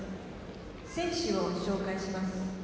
選手を紹介します。